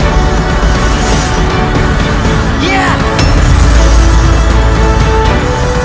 hei kian santan